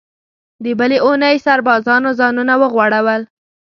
د بلې اوونۍ سربازانو ځانونه وغوړول.